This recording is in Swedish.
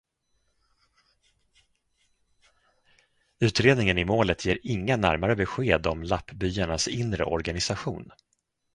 Utredningen i målet ger inga närmare besked om lappbyarnas inre organisation.